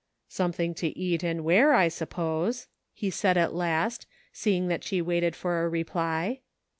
" Something to eat and wear, I suppose," he said at last, seeing that she waited for a reply.